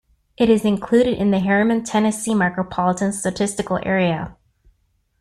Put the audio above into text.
It is included in the Harriman, Tennessee Micropolitan Statistical Area.